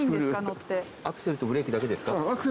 アクセルとブレーキだけですか？